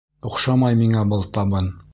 Оҡшамай миңә был табын!